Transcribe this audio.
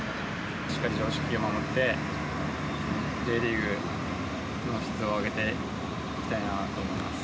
しっかり常識を守って、Ｊリーグの質を上げていきたいなと思います。